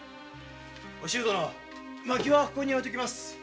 お静殿薪はここへ置いておきます。